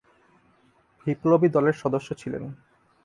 বিপ্লবী দলের সদস্য ছিলেন।